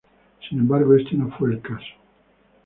Sin embargo, este no fue el caso.